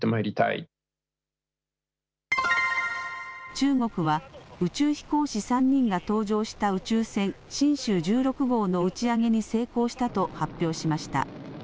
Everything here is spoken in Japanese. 中国は宇宙飛行士３人が搭乗した宇宙船、神舟１６号の打ち上げに成功したと発表しました。